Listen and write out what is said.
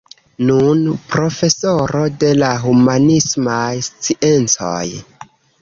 Nun profesoro de la humanismaj sciencoj.